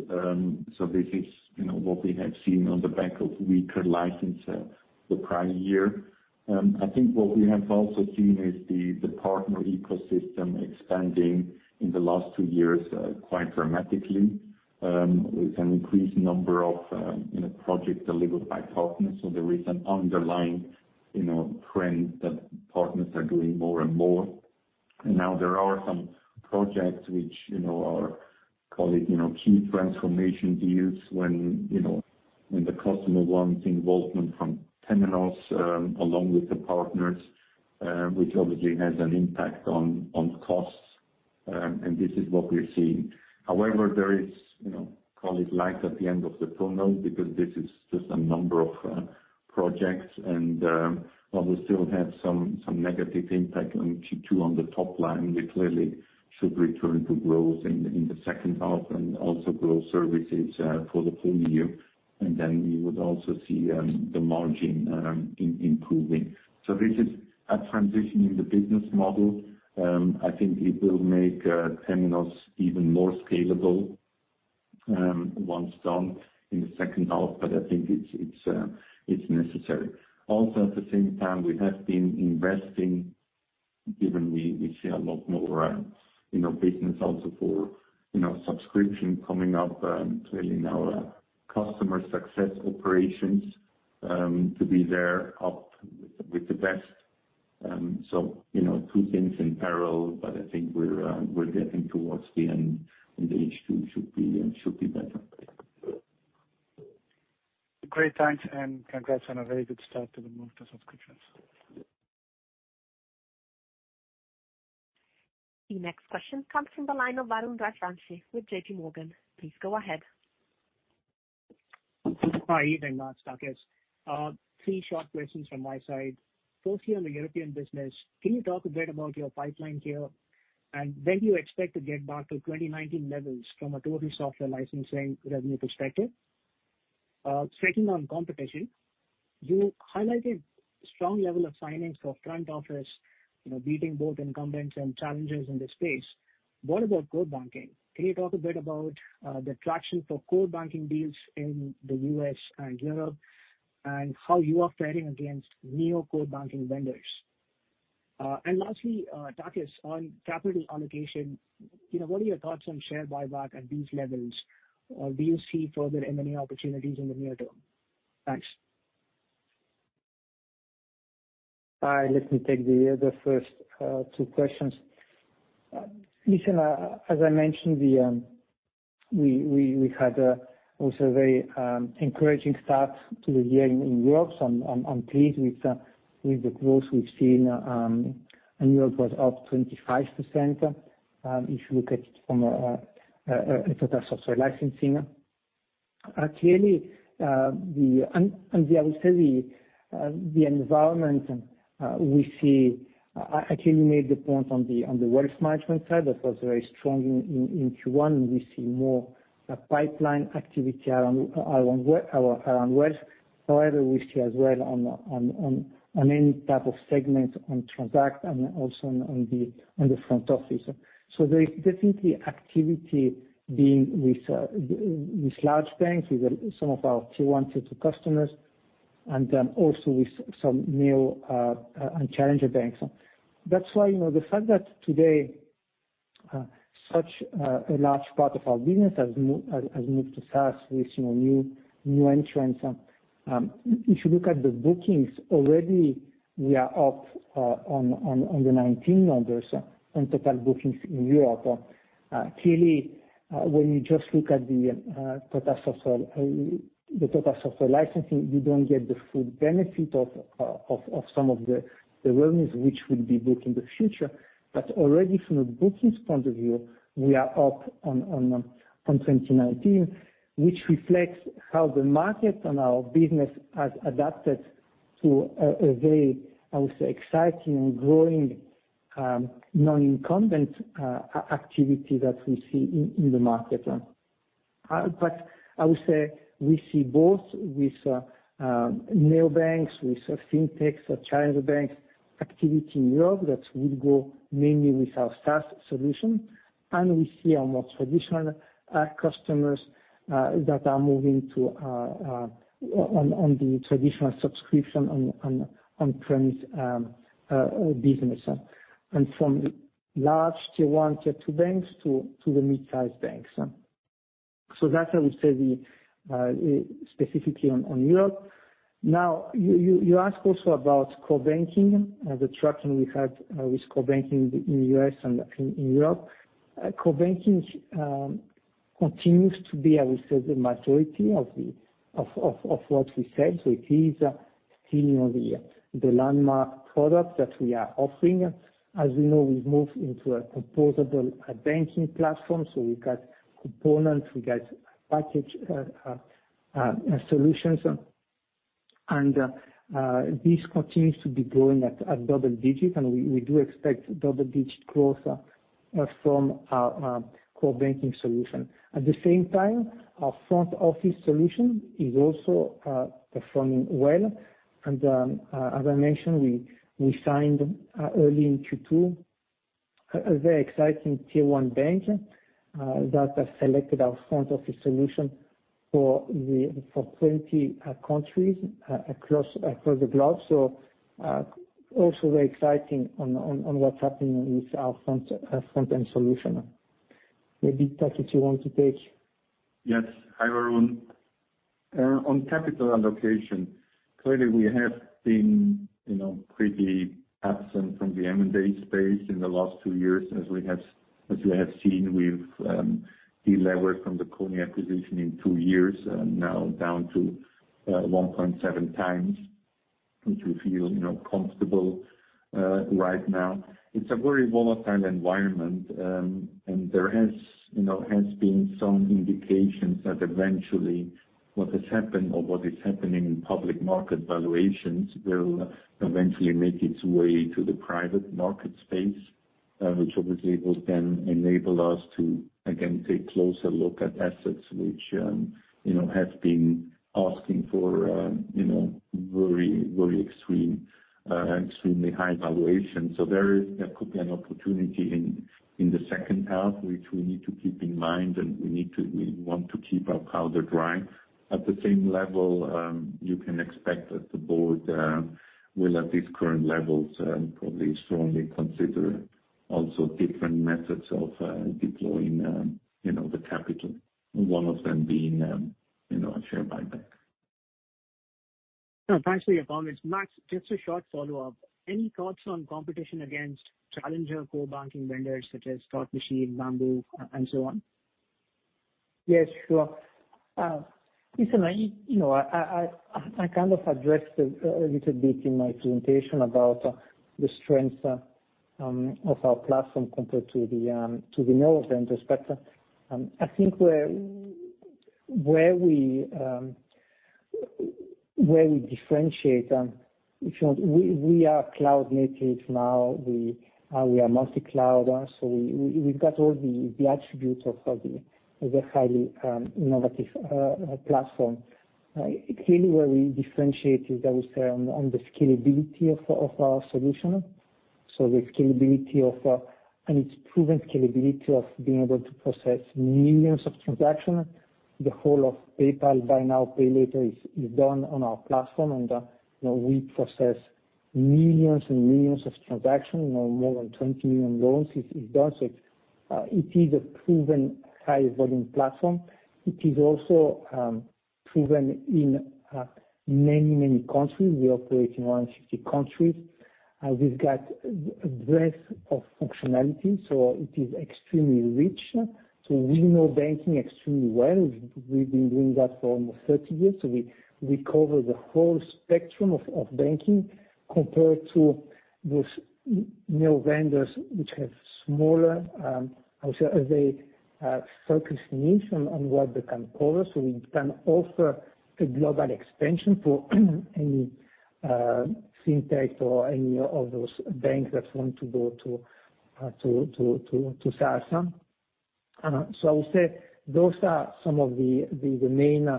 So this is, you know, what we have seen on the back of weaker license the prior year. I think what we have also seen is the partner ecosystem expanding in the last two years, quite dramatically, with an increased number of, you know, projects delivered by partners. There is an underlying, you know, trend that partners are doing more and more. Now there are some projects which, you know, are, call it, you know, key transformation deals when, you know, when the customer wants involvement from Temenos, along with the partners, which obviously has an impact on costs. This is what we're seeing. However, there is, you know, call it light at the end of the tunnel because this is just a number of projects. While we still have some negative impact on Q2 on the top line, we clearly should return to growth in the second half and also grow services for the full year. Then we would also see the margin improving. This is a transition in the business model. I think it will make Temenos even more scalable once done in the second half, but I think it's necessary. Also, at the same time, we have been investing, given we see a lot more, you know, business also for, you know, subscription coming up, clearly in our customer success operations, to be up there with the best. You know, two things in parallel, but I think we're getting towards the end, and the H2 should be better. Great. Thanks and congrats on a very good start to the move to subscriptions. The next question comes from the line of Varun Rajwanshi with J.P. Morgan. Please go ahead. Hi. Evening, Takis. Three short questions from my side. First, here on the European business, can you talk a bit about your pipeline here, and when do you expect to get back to 2019 levels from a total software licensing revenue perspective? Second, on competition, you highlighted strong level of signings for front office, you know, beating both incumbents and challengers in this space. What about core banking? Can you talk a bit about the traction for core banking deals in the U.S. and Europe and how you are faring against neo-core banking vendors? Lastly, Takis, on capital allocation, you know, what are your thoughts on share buyback at these levels? Do you see further M&A opportunities in the near term? Thanks. All right. Let me take the first two questions. As I mentioned, we had also a very encouraging start to the year in Europe. I'm pleased with the growth we've seen, and Europe was up 25%, if you look at it from a total software licensing. Clearly, I would say the environment we see. I clearly made the point on the wealth management side. That was very strong in Q1, and we see more pipeline activity around wealth. However, we see as well on any type of segments on Transact and also on the front office. There is definitely activity, deals with large banks, with some of our tier one, tier two customers, and then also with some new and challenger banks. That's why, you know, the fact that today such a large part of our business has moved to SaaS with, you know, new entrants. If you look at the bookings already, we are up on the 2019 numbers on total bookings in Europe. Clearly, when you just look at the total software, the total software licensing, you don't get the full benefit of some of the revenues which will be booked in the future. Already from a bookings point of view, we are up on 2019, which reflects how the market and our business has adapted to a very, I would say, exciting and growing non-incumbent activity that we see in the market. I would say we see both Neobanks, FinTech, challenger banks activity in Europe that will go mainly with our SaaS solution. We see our more traditional customers that are moving to the traditional subscription, on-premise business. From large tier one, tier two banks to the mid-sized banks. That's how we see it specifically on Europe. Now, you asked also about core banking, the traction we have with core banking in the U.S. and in Europe. Core banking continues to be, I would say, the majority of what we sell. It is still, you know, the landmark product that we are offering. As you know, we've moved into a composable banking platform, so we've got components, we've got package solutions. This continues to be growing at double-digit, and we do expect double-digit growth from our core banking solution. At the same time, our front office solution is also performing well. As I mentioned, we signed early in Q2 a very exciting tier one bank that has selected our front office solution for 20 countries across the globe. also very exciting on what's happening with our front end solution. Maybe, Takis, you want to take? Yes. Hi, everyone. On capital allocation, clearly we have been, you know, pretty absent from the M&A space in the last two years. As we have, as you have seen, we've de-levered from the Kony acquisition in two years, and now down to 1.7 times, which we feel, you know, comfortable right now. It's a very volatile environment, and there has, you know, has been some indications that eventually what has happened or what is happening in public market valuations will eventually make its way to the private market space, which obviously will then enable us to, again, take closer look at assets which, you know, have been asking for, you know, very, very extreme, extremely high valuation. There could be an opportunity in the second half, which we need to keep in mind, and we want to keep our powder dry. At the same level, you can expect that the board will at these current levels probably strongly consider also different methods of deploying, you know, the capital, one of them being, you know, a share buyback. No, thanks for your comments. Max, just a short follow-up. Any thoughts on competition against challenger core banking vendors such as Thought Machine, Mambu, and so on? Yes, sure. Listen, you know, I kind of addressed a little bit in my presentation about the strengths of our platform compared to the newer vendors. I think where we differentiate, if you want, we are cloud native now, we are multi-cloud, so we've got all the attributes of a highly innovative platform. Clearly where we differentiate is, I would say, on the scalability of our solution. So the scalability and its proven scalability of being able to process millions of transactions. The whole of PayPal Buy Now, Pay Later is done on our platform. You know, we process millions and millions of transactions. You know, more than 20 million loans is done. It is a proven high volume platform. It is also proven in many countries. We operate in 150 countries. We've got breadth of functionality, so it is extremely rich. We know banking extremely well. We've been doing that for almost 30 years, so we cover the whole spectrum of banking compared to those new vendors which have smaller, I would say a very focused niche on what they can cover. We can offer a global expansion for any FinTech or any of those banks that want to go to SaaS. I would say those are some of the main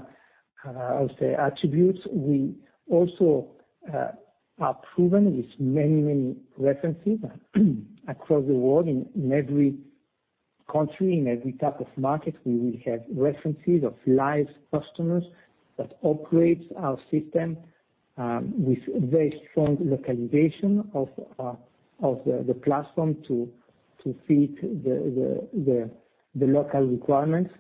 attributes. We also are proven with many references across the world. In every country, in every type of market, we will have references of live customers that operates our system with very strong localization of the local requirements.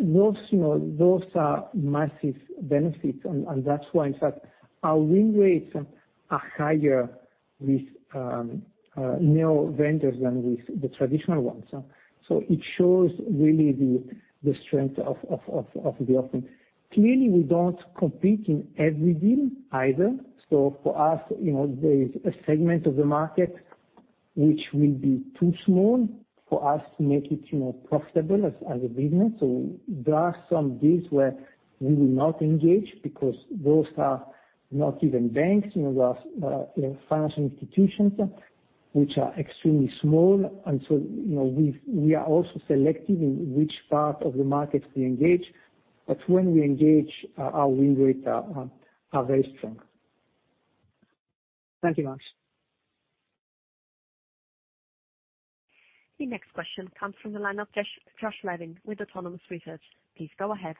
Those, you know, are massive benefits. That's why, in fact, our win rates are higher with neo vendors than with the traditional ones. It shows really the strength of the offering. Clearly, we don't compete in every deal either. For us, you know, there is a segment of the market which will be too small for us to make it, you know, profitable as a business. There are some deals where we will not engage because those are not even banks, you know, those, you know, financial institutions which are extremely small. You know, we are also selective in which part of the market we engage. When we engage, our win rates are very strong. Thank you much. The next question comes from the line of Josh Levin with Autonomous Research. Please go ahead.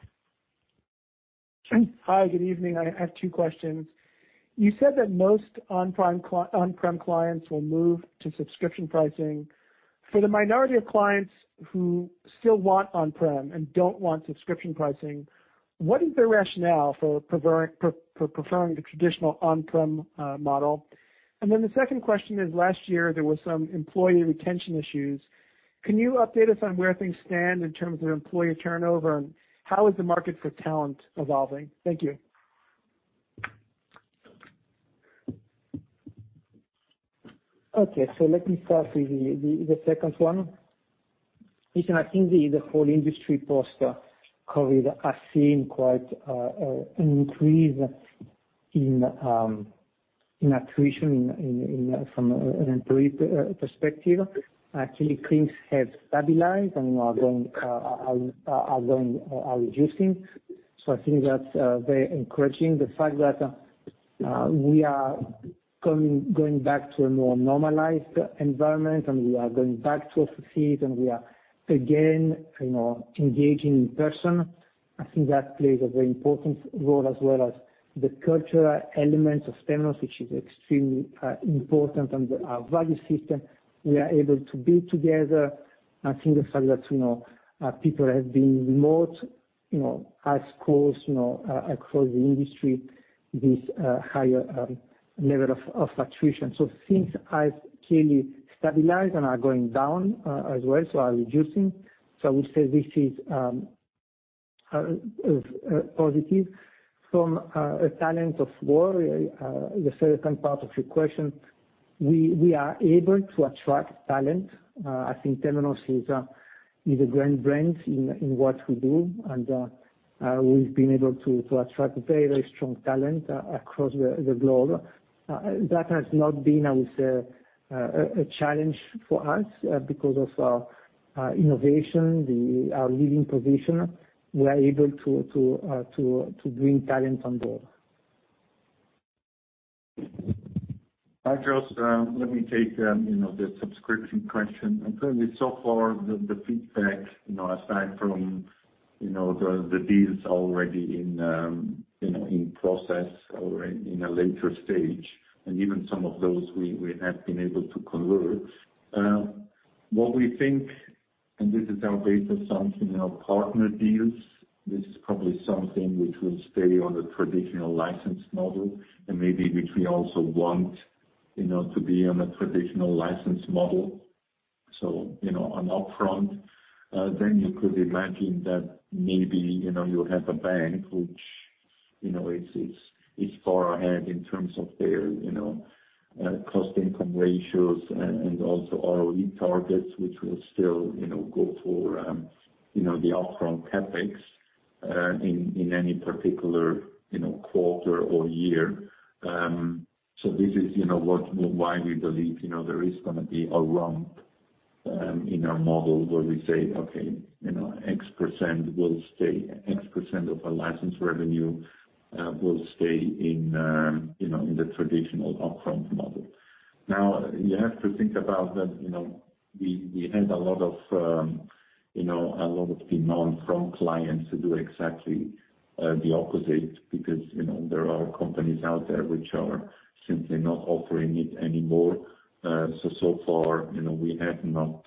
Hi, good evening. I have two questions. You said that most on-prem clients will move to subscription pricing. For the minority of clients who still want on-prem and don't want subscription pricing, what is the rationale for preferring the traditional on-prem model? The second question is, last year there was some employee retention issues. Can you update us on where things stand in terms of employee turnover and how is the market for talent evolving? Thank you. Let me start with the second one. It's not the whole industry post COVID has seen quite an increase in attrition from an employee perspective. Actually, things have stabilized and are reducing. I think that's very encouraging. The fact that we are going back to a more normalized environment, and we are going back to offices, and we are again, you know, engaging in person. I think that plays a very important role as well as the cultural elements of Temenos, which is extremely important. Our value system, we are able to be together. I think the fact that, you know, people have been remote, you know, has caused, you know, across the industry this higher level of attrition. Things have clearly stabilized and are going down as well, so are reducing. I would say this is positive. From a war for talent, the second part of your question, we are able to attract talent. I think Temenos is a great brand in what we do, and we've been able to attract very strong talent across the globe. That has not been, I would say, a challenge for us because of our innovation, our leading position. We are able to bring talent on board. Hi, Josh. Let me take, you know, the subscription question. I think so far the feedback, you know, aside from, you know, the deals already in process or in a later stage, and even some of those we have been able to convert. What we think, and this is based on our partner deals, this is probably something which will stay on a traditional license model and maybe which we also want, you know, to be on a traditional license model. You know, on upfront, then you could imagine that maybe, you know, you have a bank which, you know, it's far ahead in terms of their, you know, cost income ratios and also ROE targets, which will still, you know, go for, you know, the upfront CapEx in any particular, you know, quarter or year. This is, you know, what. Why we believe, you know, there is gonna be a ramp in our model where we say, "Okay, you know, X% will stay, X% of our license revenue will stay in, you know, in the traditional upfront model." Now, you have to think about that, you know, we had a lot of, you know, a lot of demand from clients to do exactly the opposite because, you know, there are companies out there which are simply not offering it anymore. So far, you know, we have not,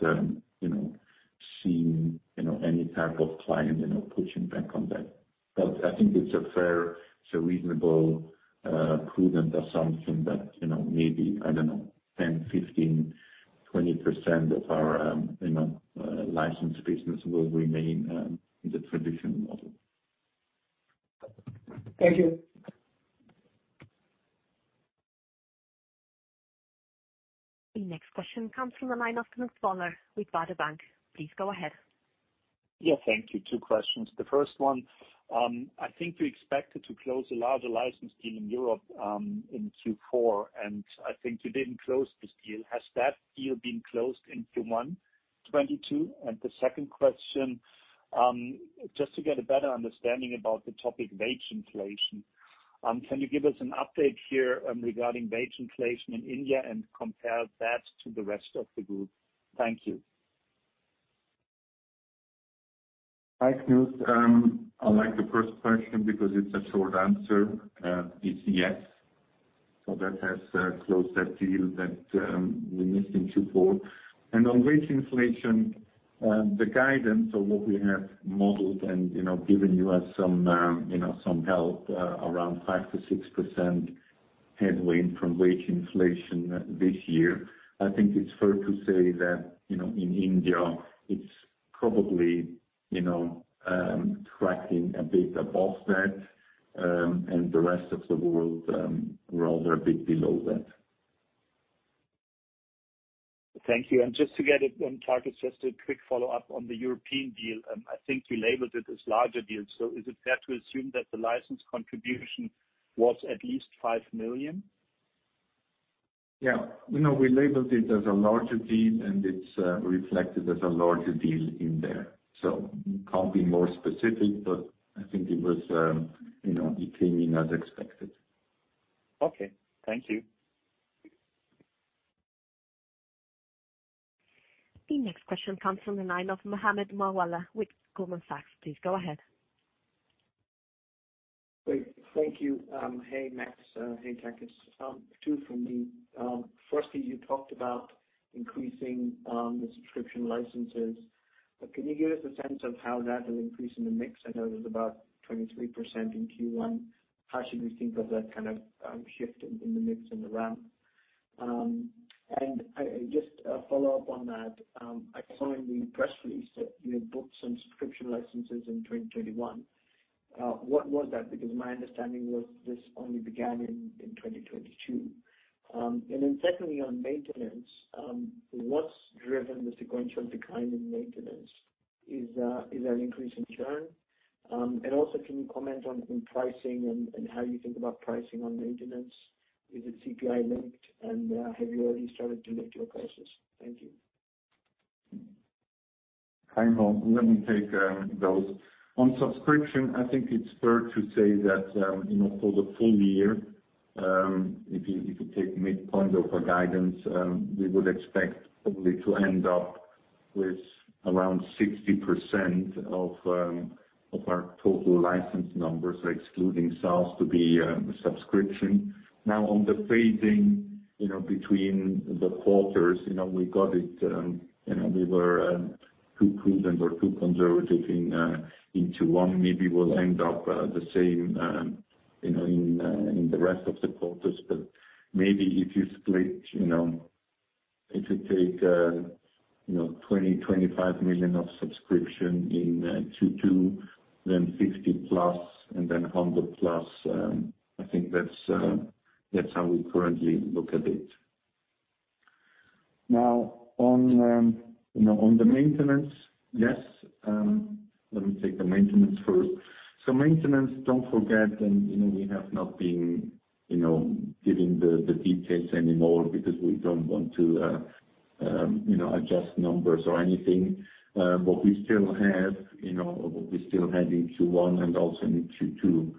you know, seen, you know, any type of client, you know, pushing back on that. I think it's a reasonable prudent assumption that, you know, maybe, I don't know, 10, 15, 20% of our you know, license business will remain in the traditional model. Thank you. The next question comes from the line of Knut Woller with Baader Bank. Please go ahead. Yeah, thank you. Two questions. The first one, I think you expected to close a larger license deal in Europe, in Q4, and I think you didn't close this deal. Has that deal been closed in Q1 2022? The second question, just to get a better understanding about the topic wage inflation, can you give us an update here, regarding wage inflation in India and compare that to the rest of the group? Thank you. Hi, Knut. I like the first question because it's a short answer. It's yes. That has closed that deal that we missed in Q4. On wage inflation, the guidance on what we have modeled and, you know, given you as some, you know, some help, around 5%-6% headwind from wage inflation this year, I think it's fair to say that, you know, in India it's probably, you know, tracking a bit above that, and the rest of the world, rather a bit below that. Thank you. Just to get it on target, just a quick follow-up on the European deal. I think you labeled it as larger deal. Is it fair to assume that the license contribution was at least $5 million? Yeah. You know, we labeled it as a larger deal, and it's reflected as a larger deal in there. Can't be more specific, but I think it was, you know, it came in as expected. Okay. Thank you. The next question comes from the line of Mohammed Moawalla with Goldman Sachs. Please go ahead. Great. Thank you. Hey, Max. Hey, Takis. Two from me. Firstly, you talked about increasing the subscription licenses. Can you give us a sense of how that will increase in the mix? I know it was about 23% in Q1. How should we think of that kind of shift in the mix and the ramp? I just have a follow-up on that. I saw in the press release that you had booked some subscription licenses in 2021. What was that? Because my understanding was this only began in 2022. Then secondly, on maintenance, what's driven the sequential decline in maintenance? Is there an increase in churn? Also can you comment on pricing and how you think about pricing on maintenance? Is it CPI linked, and have you already started to lift your prices? Thank you. Hi, Mo. Let me take those. On subscription, I think it's fair to say that, you know, for the full year, if you take midpoint of our guidance, we would expect probably to end up with around 60% of our total license numbers, excluding SaaS, to be subscription. Now, on the phasing, you know, between the quarters, you know, we got it. You know, we were too prudent or too conservative in Q1. Maybe we'll end up the same, you know, in the rest of the quarters. But maybe if you split, you know, if you take $25 million of subscription in Q2, then $50+ and then $100+, I think that's how we currently look at it. Now, on the maintenance, yes, let me take the maintenance first. Maintenance, don't forget and, you know, we have not been, you know, giving the details anymore because we don't want to, you know, adjust numbers or anything. What we still have, you know, what we still had in Q1 and also in Q2,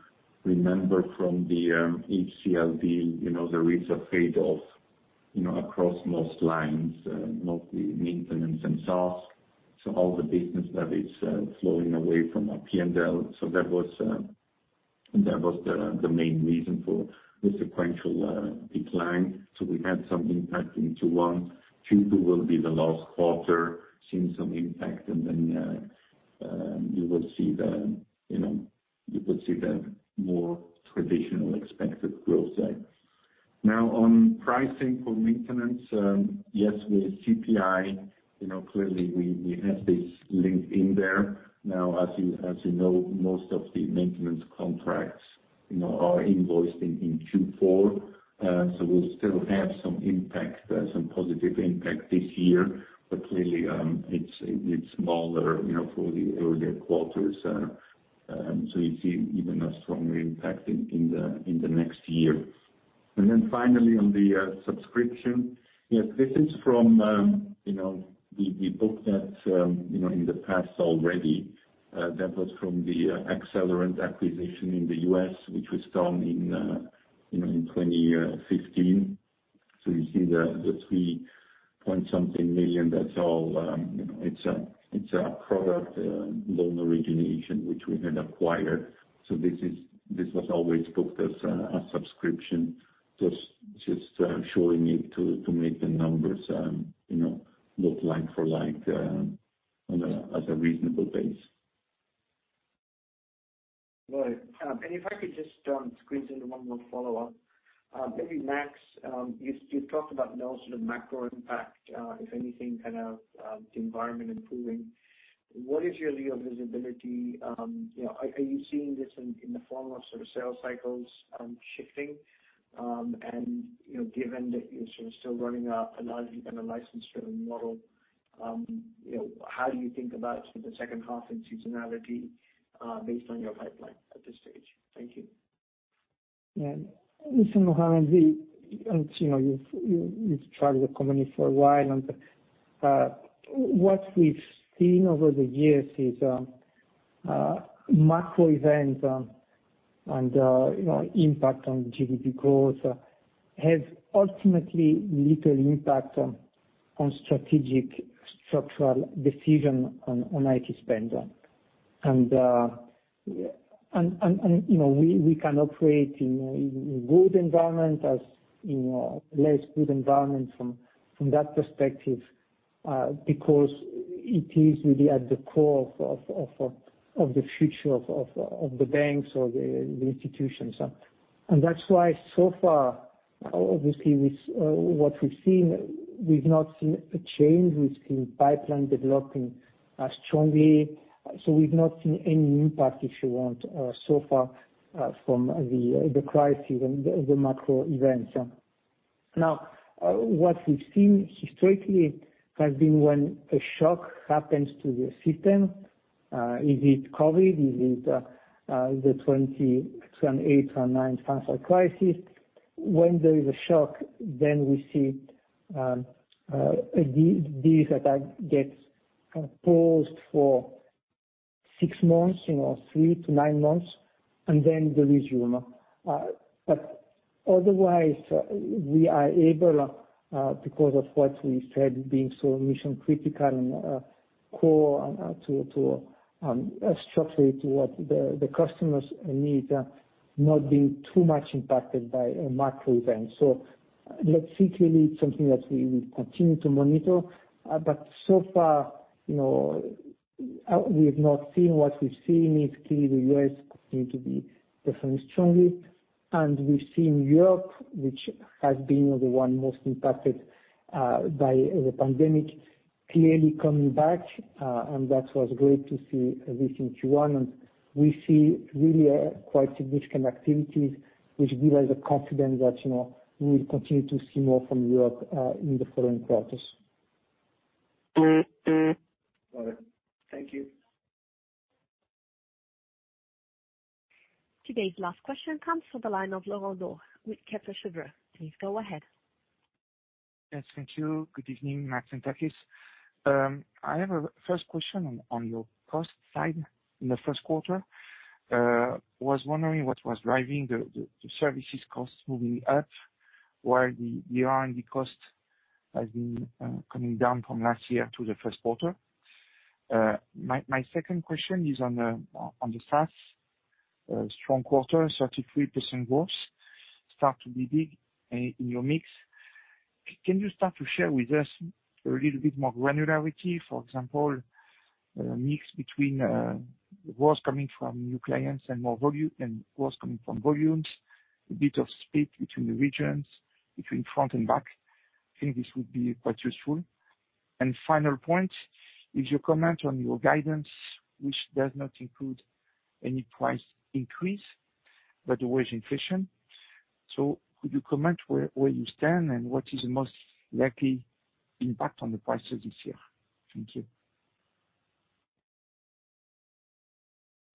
remember from the HCL, you know, the rates have paid off, you know, across most lines, not the maintenance and SaaS. All the business that is flowing away from our P&L, so that was the main reason for the sequential decline. We had some impact in 2021. 2022 will be the last quarter seeing some impact. You will see the, you know, you could see the more traditional expected growth there. Now on pricing for maintenance, yes, with CPI, you know, clearly we have this linked in there. Now as you know, most of the maintenance contracts, you know, are invoiced in Q4. So we'll still have some impact, some positive impact this year. Clearly, it's smaller, you know, for the earlier quarters. So you see even a stronger impact in the next year. Finally on the subscription, yes, this is from, you know, we booked that, you know, in the past already. That was from the Akcelerant acquisition in the U.S., which was done in, you know, in 2015. You see the $3 point something million, that's all, you know, it's a product, loan origination which we had acquired. This was always booked as a subscription, just showing it to make the numbers, you know, look like for like on a reasonable base. Right. If I could just squeeze in one more follow-up. Maybe Max, you've talked about no sort of macro impact, if anything, kind of the environment improving. What is your view of visibility? You know, are you seeing this in the form of sort of sales cycles shifting? You know, given that you're sort of still running largely on a license-driven model, you know, how do you think about sort of the second half and seasonality, based on your pipeline at this stage? Thank you. Yeah. Listen, Mohammed, you know, you've tracked the company for a while. What we've seen over the years is macro events and you know impact on GDP growth have ultimately little impact on strategic structural decision on IT spend. You know we can operate in a good environment as in a less good environment from that perspective because it is really at the core of the future of the banks or the institutions. That's why so far obviously with what we've seen we've not seen a change. We've seen pipeline developing strongly. We've not seen any impact if you want so far from the crisis and the macro events. Now, what we've seen historically has been when a shock happens to the system, is it COVID? Is it, the 2008 or 2009 financial crisis? When there is a shock, then we see these attacks get paused for six months, you know, three to nine months, and then they resume. But otherwise we are able, because of what we said being so mission-critical and core and to structurally to what the customers need, not being too much impacted by a macro event. Let's see. Clearly, it's something that we will continue to monitor. But so far, you know, we have not seen what we've seen is clearly the U.S. continue to be performing strongly. We've seen Europe, which has been the one most impacted by the pandemic, clearly coming back. That was great to see this in Q1. We see really quite significant activities which give us the confidence that, you know, we will continue to see more from Europe in the following quarters. Got it. Thank you. Today's last question comes from the line of Laurent Daure with Kepler Cheuvreux. Please go ahead. Yes, thank you. Good evening, Max and Takis. I have a first question on your cost side in the Q1. Was wondering what was driving the services costs moving up, while the R&D cost has been coming down from last year to the Q1. My second question is on the SaaS strong quarter, 33% growth. Start to be big in your mix. Can you start to share with us a little bit more granularity, for example, mix between growth coming from new clients and more volume and growth coming from volumes, a bit of split between the regions, between front and back? I think this would be quite useful. Final point is your comment on your guidance, which does not include any price increase but wage inflation. Could you comment where you stand and what is the most likely impact on the prices this year? Thank you.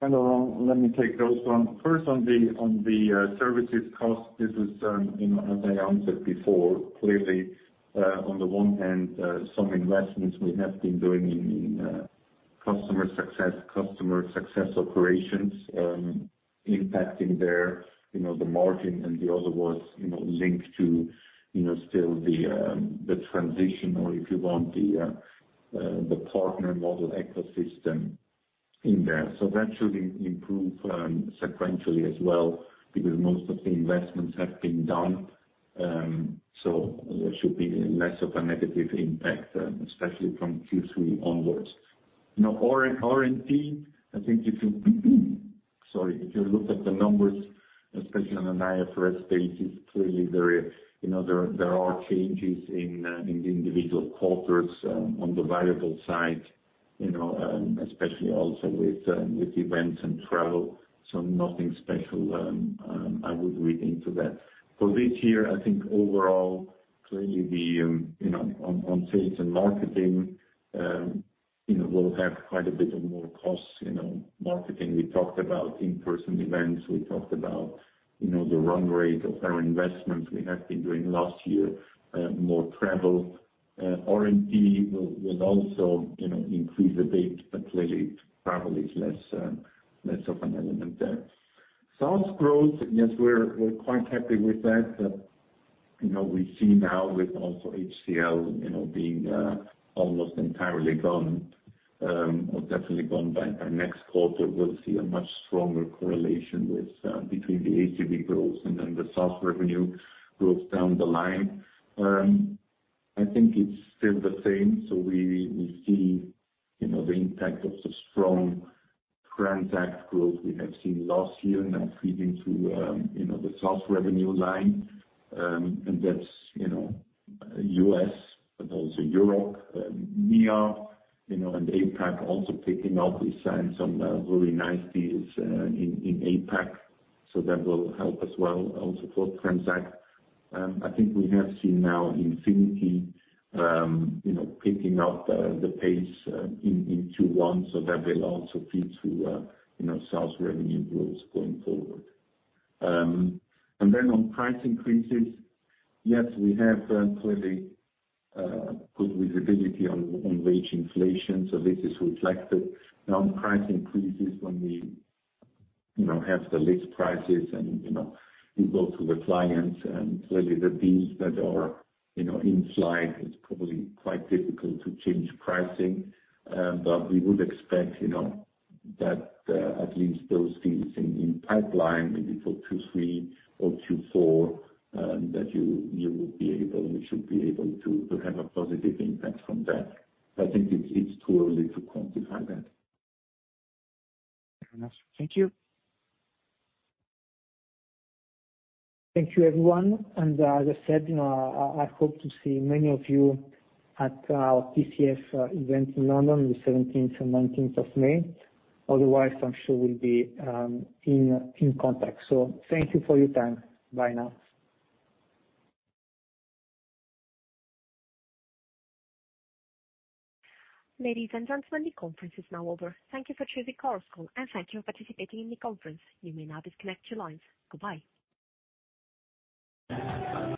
Hello. Let me take those one. First on the services cost. This is, you know, as I answered before, clearly, on the one hand, some investments we have been doing in customer success operations, impacting the margin and the other was, you know, linked to, you know, still the transition or if you want the partner model ecosystem in there. That should improve sequentially as well, because most of the investments have been done. There should be less of a negative impact, especially from Q3 onwards. Now, R&D, I think if you look at the numbers, especially on an IFRS basis, clearly there are changes in the individual quarters on the variable side, you know, especially also with events and travel. Nothing special I would read into that. For this year, I think overall clearly on sales and marketing, you know, we'll have quite a bit of more costs, you know, marketing we talked about in-person events. We talked about, you know, the run rate of our investments we have been doing last year, more travel. R&D will also, you know, increase a bit, but clearly travel is less of an element there. SaaS growth, yes, we're quite happy with that. You know, we see now with also HCL you know being almost entirely gone or definitely gone by our next quarter. We'll see a much stronger correlation with between the ACV growth and then the SaaS revenue growth down the line. I think it's still the same. We see you know the impact of the strong Transact growth we have seen last year now feeding through you know the SaaS revenue line. That's you know U.S. but also Europe MEA you know and APAC also picking up. We signed some really nice deals in APAC, so that will help as well also for Transact. I think we have seen now Infinity you know picking up the pace in Q1. That will also feed to, you know, SaaS revenue growth going forward. On price increases, yes, we have clearly good visibility on wage inflation. This is reflected. Now, on price increases when we, you know, have the list prices and, you know, we go to the clients and clearly the deals that are, you know, in flight, it's probably quite difficult to change pricing. But we would expect, you know, that at least those deals in pipeline maybe for Q3 or Q4, that we should be able to have a positive impact from that. But I think it's too early to quantify that. Very nice. Thank you. Thank you, everyone. As I said, you know, I hope to see many of you at our TCF event in London on the 17th to nineteenth of May. Otherwise, I'm sure we'll be in contact. Thank you for your time. Bye now. Ladies and gentlemen, the conference is now over. Thank you for choosing Chorus Call, and thank you for participating in the conference. You may now disconnect your lines. Goodbye.